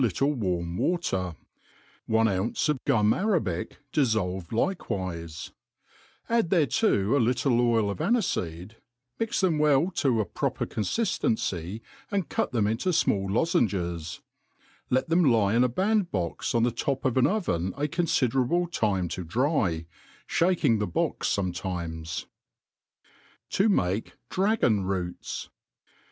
little warm water ; one ounce of gum arable difTolved likewife ; add thereto a little oil of anife fced ; mix them well to a proper fPbnftftency, and cut them into (mail lozenges i let them lib in a hand box on the tqp of an oven a conAderablq time to dry^ fluking the box fonietimet , To make Dragon. R§ot^.